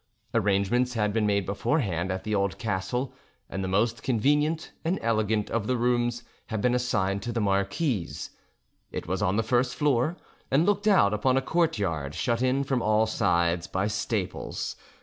Arrangements had been made beforehand at the old castle, and the most convenient and elegant of the rooms had been assigned to the marquise; it was on the first floor, and looked out upon a courtyard shut in on all sides by stables.